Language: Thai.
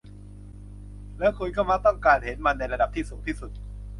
และคุณก็มักต้องการเห็นมันในระดับที่สูงที่สุด